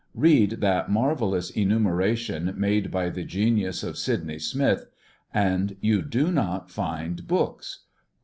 Eead that marvellous enumeration made by the genius of Sydney Smith, and you do not find books.